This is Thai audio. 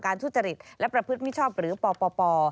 ทุจริตและประพฤติมิชชอบหรือปป